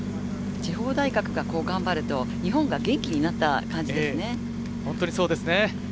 地方大学が頑張ると日本が元気になった感じですね。